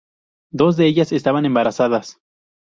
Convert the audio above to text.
Dos de ellas estaban embarazadas.